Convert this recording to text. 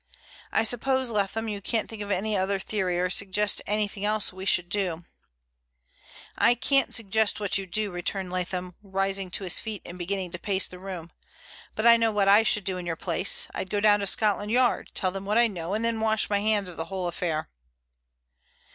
"I suppose, Leatham, you can't think of any other theory, or suggest anything else that we should do." "I can't suggest what you should do," returned Leatham, rising to his feet and beginning to pace the room. "But I know what I should do in your place. I'd go down to Scotland Yard, tell them what I know, and then wash my hands of the whole affair."